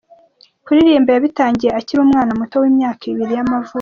Kuririmba yabitangiye akiri umwana muto w'imyaka ibiri y'amavuko.